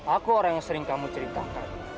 aku orang yang sering kamu ceritakan